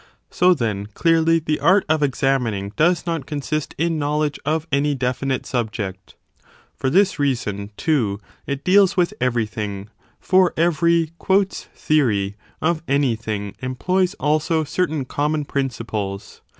So then clearly the art of examining does not consist in knowledge of any definite subject. For this reason, too, it deals with everything: for every theory of anything employs also certain common prin 30 ciples.